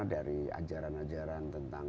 dari ajaran ajaran tentang